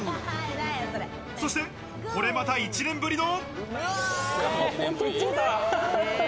そして、これまた１年ぶりの。